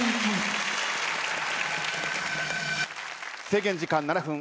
制限時間７分。